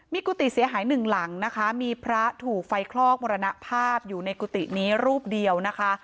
มีกุฏิเสียหายหนึ่งหลังนะคะมีพระถูกไฟคลอกมรณภาพอยู่ในกุฏินี้รูปเดียวนะคะ